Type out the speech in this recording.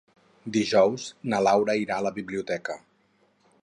Dijous na Laura irà a la biblioteca.